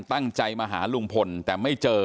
ตั้งใจมาหาลุงพลแต่ไม่เจอ